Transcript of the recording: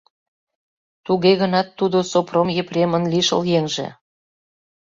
Туге гынат тудо Сопром Епремын лишыл еҥже.